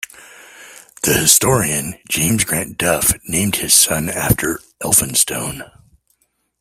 The historian James Grant Duff named his son after Elphinstone.